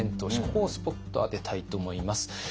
ここをスポット当てたいと思います。